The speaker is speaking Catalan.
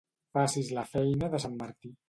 Facis la feina de sant Martí.